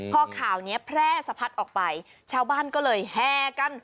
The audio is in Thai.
พอข่าวนี้แพร่สะพัดออกไปชาวบ้านก็เลยแห่กัน